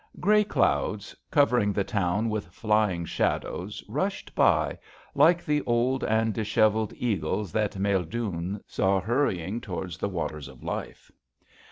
Grey clouds cover ing the town with flyirg shadows rushed by like the old and dis hevelled eagles that Maeldune saw hurrying towards the waters of life.